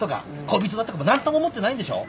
恋人だとかも何とも思ってないんでしょ？